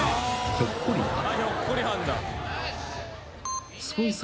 ひょっこりはん」